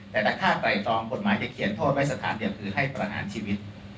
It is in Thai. แต่ถ้าฆ่าไตรตองกฎหมายที่เขียนโทษไว้สถานเดียวคือให้ประหารชีวิต